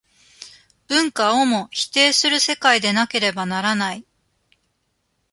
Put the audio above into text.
文化をも否定する世界でなければならない。